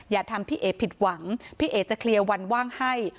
อย่าทำพี่เอ๋ผิดหวังพี่เอ๋จะเคลียร์วันว่างให้